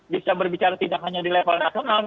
bisa berbicara tidak hanya di level nasional